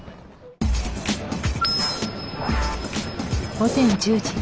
午前１０時。